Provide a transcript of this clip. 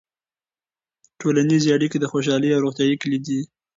ټولنیزې اړیکې د خوشحالۍ او روغتیا کلیدي دي.